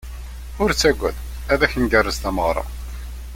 Ur ttagad, ad ak-ngerrez tameɣra.